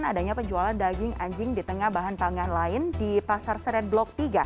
adanya penjualan daging anjing di tengah bahan pangan lain di pasar senen blok tiga